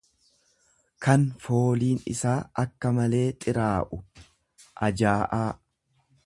kan fooliin isaa akka malee xiraa'u, ajaa'aa.